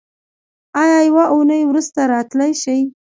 ایا یوه اونۍ وروسته راتلی شئ؟